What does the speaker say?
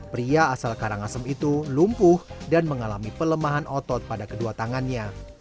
pria asal karangasem itu lumpuh dan mengalami pelemahan otot pada kedua tangannya